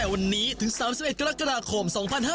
วันนี้ถึง๓๑กรกฎาคม๒๕๕๙